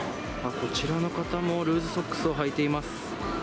こちらの方もルーズソックスをはいています。